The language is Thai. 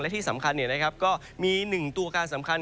และที่สำคัญก็มี๑ตัวการสำคัญ